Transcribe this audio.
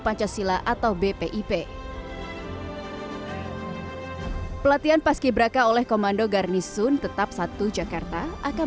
pancasila atau bpip pelatihan paski braka oleh komando garnisun tetap satu jakarta akan